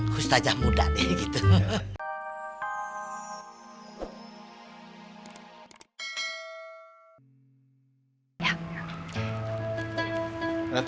kustajah muda nih gitu